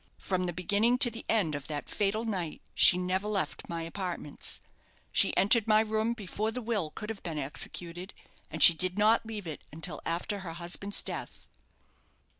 From the beginning to the end of that fatal night she never left my apartments. She entered my room before the will could have been executed, and she did not leave it until after her husband's death."